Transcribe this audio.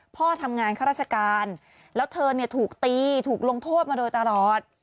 พ่อทำงานข้าราชการแล้วเธอเนี่ยถูกตีถูกลงโทษมาโดยตลอด